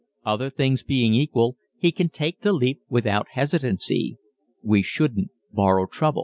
Other things being equal he can take the leap without hesitancy. We shouldn't borrow trouble.